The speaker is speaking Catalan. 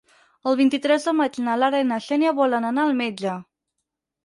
El vint-i-tres de maig na Lara i na Xènia volen anar al metge.